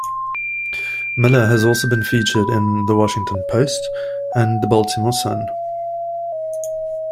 Miller has also been featured in "The Washington Post" and "The Baltimore Sun".